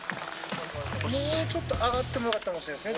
もうちょっと上がってもよかったかもしれないですね。